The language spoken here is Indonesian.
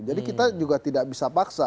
jadi kita juga tidak bisa paksa